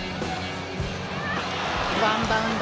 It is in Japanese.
ワンバウンド。